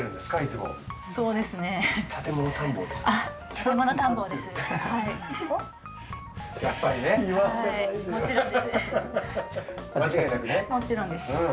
もちろんです。